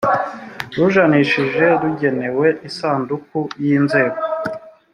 rujanishije rugenewe isanduku y inzego